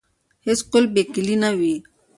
هیڅ قلف بې کیلي نه وي.